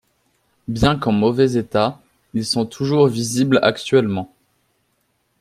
Bien qu'en mauvais état, ils sont toujours visibles actuellement.